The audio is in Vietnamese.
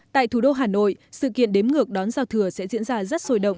tại thủ đô hà nội sự kiện đếm ngược đón giao thừa sẽ diễn ra rất sôi động